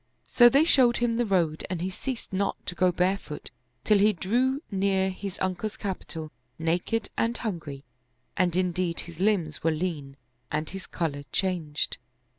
So they showed him the road and he ceased not to go barefoot, till he drew near his uncle's capital, naked, and hungry, and indeed his limbs were lean and his color changed.